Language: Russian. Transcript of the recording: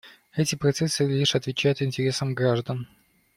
Эти процессы лишь отвечают интересам граждан.